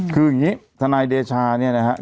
คืออย่างนี้ทนายเดชาเนี่ยนะครับ